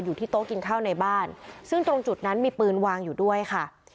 ที่โต๊ะกินข้าวในบ้านซึ่งตรงจุดนั้นมีปืนวางอยู่ด้วยค่ะ